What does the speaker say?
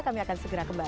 kami akan segera kembali